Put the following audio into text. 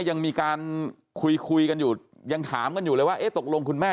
ยังมีการคุยคุยกันอยู่ยังถามกันอยู่เลยว่าเอ๊ะตกลงคุณแม่